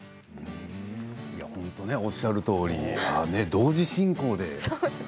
本当におっしゃるとおり同時進行で。